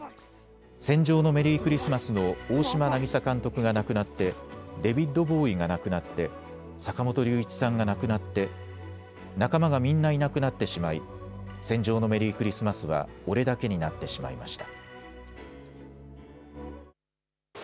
戦場のメリークリスマスの大島渚監督が亡くなって、デビッド・ボウイが亡くなって、坂本龍一さんが亡くなって、仲間がみんないなくなってしまい戦場のメリークリスマスは俺だけになってしまいました。